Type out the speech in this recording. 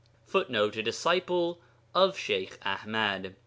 [Footnote: A disciple of Sheykh Aḥmad.